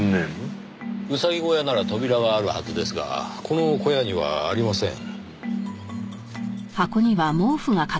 ウサギ小屋なら扉があるはずですがこの小屋にはありません。